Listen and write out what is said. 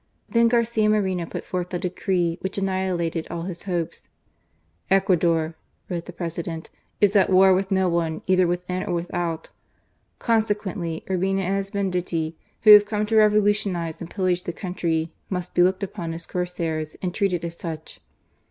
Then Garcia Moreno put forth a decree which annihilated all his hopes. Ecuador," wrote the President, is at war with no one, either within or without : con sequently Urbina and his banditti, who have come to revolutionize and pillage the country, must be looked upon as corsairs and treated as such.